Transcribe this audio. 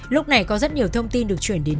lúc này có rất nhiều thông tin được chuyển đến